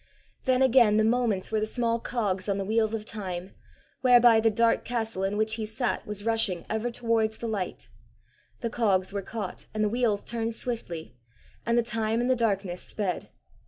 Then again the moments were the small cogs on the wheels of time, whereby the dark castle in which he sat was rushing ever towards the light: the cogs were caught and the wheels turned swiftly, and the time and the darkness sped.